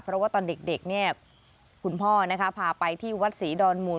เพราะว่าตอนเด็กคุณพ่อพาไปที่วัดศรีดอนมูล